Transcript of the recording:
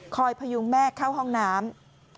พยุงแม่เข้าห้องน้ำ